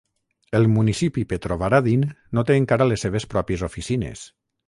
El municipi Petrovaradin no té encara les seves pròpies oficines.